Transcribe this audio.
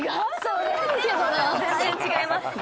全然違いますね。